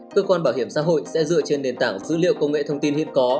cơ quan bảo hiểm xã hội sẽ dựa trên nền tảng dữ liệu công nghệ thông tin hiện có